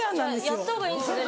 やった方がいいんですね。